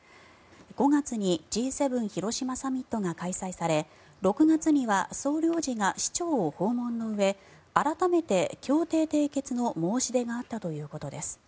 ５月にＧ７広島サミットが開催され６月には総領事が市長を訪問のうえ改めて協定締結の申し出があったということです。